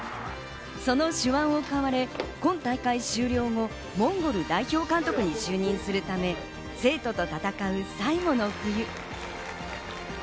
その手腕を買われ、今大会終了後、モンゴル代表監督に就任するため、生徒と戦う最後の冬。